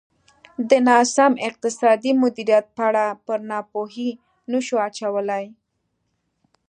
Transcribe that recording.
د ناسم اقتصادي مدیریت پړه پر ناپوهۍ نه شو اچولای.